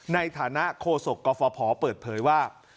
ในฐานะโคศกกฟภเปิดเผยว่า